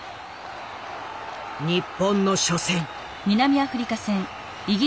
日本の初戦。